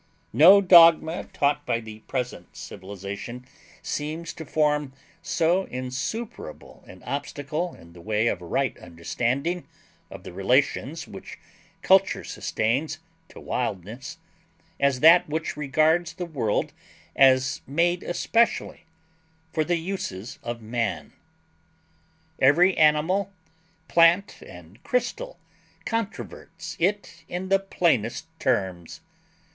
No dogma taught by the present civilization seems to form so insuperable an obstacle in the way of a right understanding of the relations which culture sustains to wildness as that which regards the world as made especially for the uses of man. Every animal, plant, and crystal controverts it in the plainest terms.